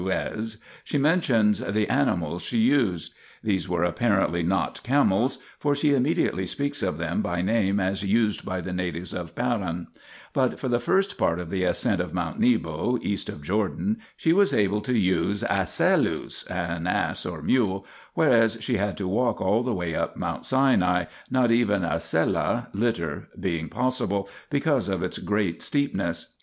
xii INTRODUCTION not camels, for she immediately speaks of them by name as used by the natives of Paran ; but for the first part of the ascent of Mount Nebo (east of Jordan) she was able to use asellus (an ass or mule), whereas she had to walk all the way up Mount Sinai, not even a sella (litter) being possible because of its great steepness.